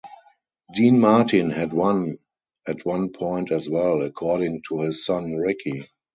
Dean Martin had one at one point as well, according to his son Ricci.